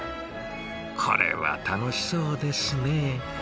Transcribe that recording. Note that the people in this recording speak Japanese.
これは楽しそうですね。